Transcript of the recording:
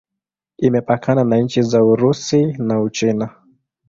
Imepakana na nchi za Urusi na Uchina.